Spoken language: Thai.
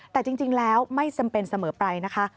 แต่จริงแล้วไม่จำเป็นเสมอไปนะคะ